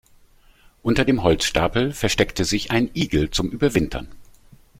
Unter dem Holzstapel versteckte sich ein Igel zum Überwintern.